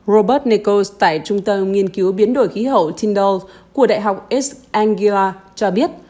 robert nichols tại trung tâm nghiên cứu biến đổi khí hậu tindal của đại học east anglia cho biết